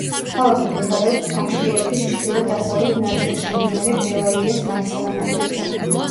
ქალაქი მდებარეობს ბაშკირეთის ჩრდილო-დასავლეთ ნაწილში, მდინარე ბელაიას მარცხენა ნაპირზე.